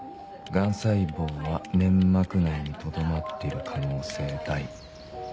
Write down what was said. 癌細胞は粘膜内にとどまっている可能性大。